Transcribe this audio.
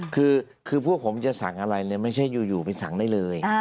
คือพวกผมจะสั่งอะไรเลยไม่ใช่อยู่ไปสั่งได้เลย